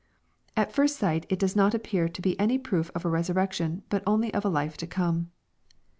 At first sight it does not appear to be any proof of a resurrection, but only of a life to come.